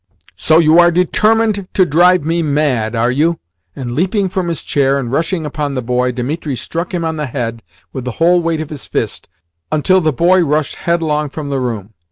"So you are determined to drive me mad, are you?" and leaping from his chair and rushing upon the boy, Dimitri struck him on the head with the whole weight of his fist, until the boy rushed headlong from the room.